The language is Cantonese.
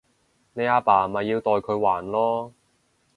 你阿爸咪要代佢還囉